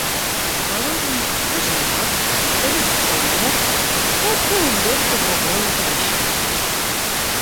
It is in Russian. Положим, ты женат, ты любишь жену, но ты увлекся другою женщиной...